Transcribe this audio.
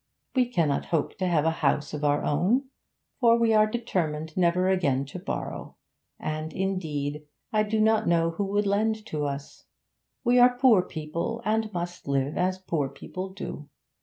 We cannot hope to have a house of our own, for we are determined never again to borrow and, indeed, I do not know who would lend to us. We are poor people, and must live as poor people do.